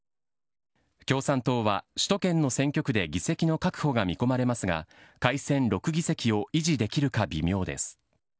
共産党は首都圏の選挙区で議席の確保が見込まれますが改選６議席を維持できるか微妙です。